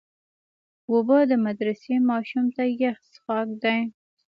اوبه د مدرسې ماشوم ته یخ څښاک دی.